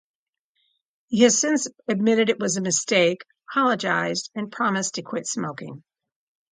He has since admitted it was a mistake, apologized and promised to quit smoking.